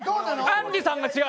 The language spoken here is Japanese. あんりさんが違う！